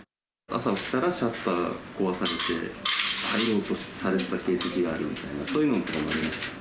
朝起きたらシャッターを壊されて、入ろうとされていた形跡があると、そういうのも。